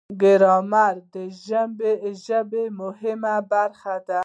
ګرامر د ژبې مهمه برخه ده.